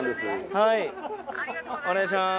はいお願いします。